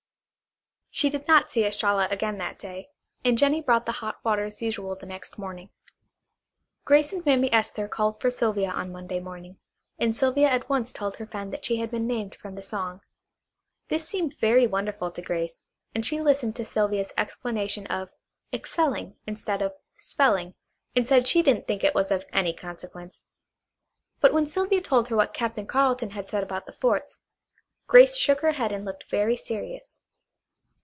She did not see Estralla again that day, and Jennie brought the hot water as usual the next morning. Grace and Mammy Esther called for Sylvia on Monday morning, and Sylvia at once told her friend that she had been named from the song. This seemed very wonderful to Grace, and she listened to Sylvia's explanation of "excelling" instead of "spelling," and said she didn't think it was of any consequence. But when Sylvia told her what Captain Carleton had said about the forts, Grace shook her head and looked very serious.